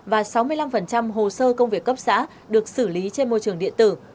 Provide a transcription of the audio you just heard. và sáu mươi năm hồ sơ công việc cấp xã được xử lý trên môi trường điện tử